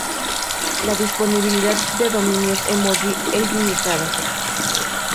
La disponibilidad de dominios emoji es limitada.